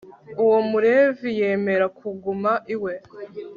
uwo mulevi yemera kuguma iwe